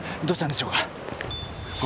どうしたんでしょうか？